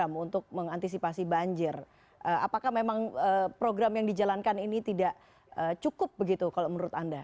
tapi saya ingin menambahkan bahwa terkait program untuk mengantisipasi banjir apakah program yang dijalankan ini tidak cukup begitu kalau menurut anda